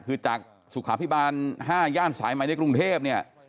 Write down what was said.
คือจากสุขาพิบาล๕ย่านสายใหม่ในกรุงเทพเนี่ย